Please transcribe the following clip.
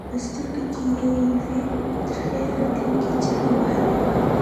په سترګو کې یې یوې ترخې راتلونکې چغې وهلې.